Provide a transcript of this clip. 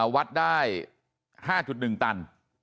วัดได้๕๑ตัน